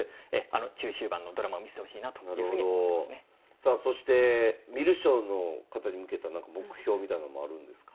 さあそして観る将の方に向けたなんか目標みたいなんもあるんですか？